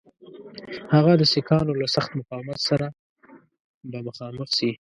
هغه د سیکهانو له سخت مقاومت سره به مخامخ سي.